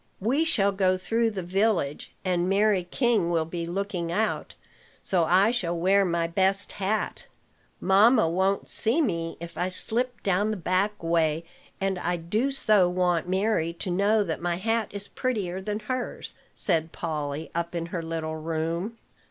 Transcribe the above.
"We shall go through the village, and Mary King will be looking out; so I shall wear my best hat. Mamma won't see me, if I slip down the back way; and I do so want Mary to know that my hat is prettier than hers," said Polly, up in her little room.